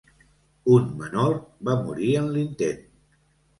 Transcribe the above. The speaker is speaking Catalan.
Un menor va morir en l'intent.